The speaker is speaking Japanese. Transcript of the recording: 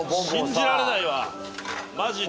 信じられないわマジで。